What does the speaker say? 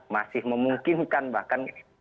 masih memungkinkan bahkan